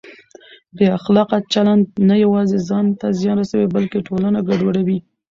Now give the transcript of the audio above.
بې اخلاقه چلند نه یوازې ځان ته زیان رسوي بلکه ټولنه ګډوډوي.